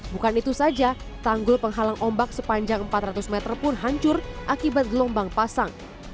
bukan itu saja tanggul penghalang ombak sepanjang empat ratus meter pun hancur akibat gelombang pasang